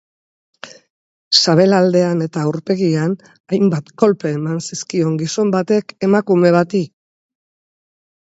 Sabelaldean eta aurpegian hainbat kolpe eman zizkion gizon batek emakume bati.